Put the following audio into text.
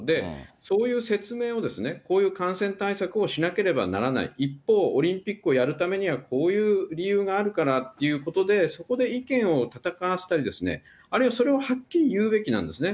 そういう説明を、こういう感染対策をしなければならない、一方オリンピックをやるためには、こういう理由があるからっていうことで、そこで意見を戦わせたり、あるいはそれをはっきり言うべきなんですね。